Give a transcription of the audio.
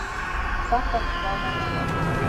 سخته مې خوا بده وه.